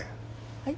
はい？